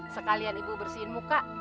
sekalian ibu bersihin muka